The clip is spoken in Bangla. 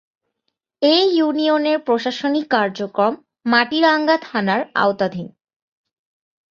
এ ইউনিয়নের প্রশাসনিক কার্যক্রম মাটিরাঙ্গা থানার আওতাধীন।